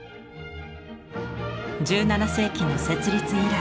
１７世紀の設立以来